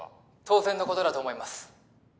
当然のことだと思います